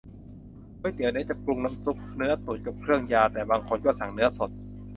ก๋วยเตี๋ยวเนื้อ จะปรุงน้ำซุปเนื้อตุ๋นกับเครื่องยา แต่บางคนก็สั่งเนื้อสด